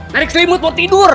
narik selimut mau tidur